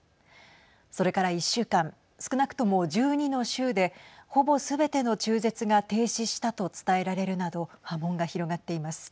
それから１週間少なくとも１２の州でほぼすべての中絶が停止したと伝えられるなど波紋が広がっています。